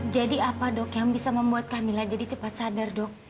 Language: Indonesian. sampai jumpa di video selanjutnya